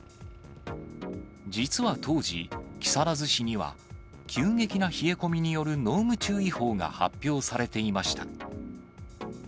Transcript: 実は当時、木更津市には、急激な冷え込みによる濃霧注意報が発表されていました。